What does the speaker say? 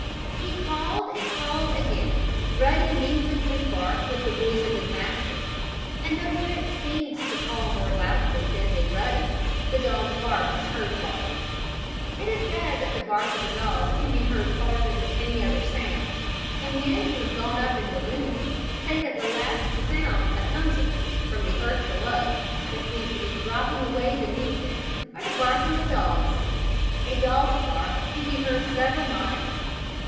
He called and called again, Ruddy mingling his bark with the voice of his master. And though Rick seemed to call more loudly than did Ruddy, the dog's bark was heard farther. It is said that the bark of a dog can be heard farther than any other sound, and men who have gone up in balloons say that the last sounds that come to them, from the earth below, that seems to be dropping away beneath them, are the barkings of dogs. A dog's bark can be heard several miles.